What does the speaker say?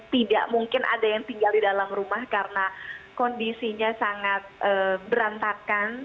tidak mungkin ada yang tinggal di dalam rumah karena kondisinya sangat berantakan